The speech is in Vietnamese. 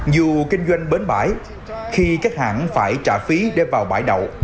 dù kinh doanh bến bãi khi các hãng phải trả phí để vào bãi đậu